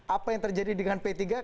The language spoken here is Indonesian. apa yang terjadi dengan p tiga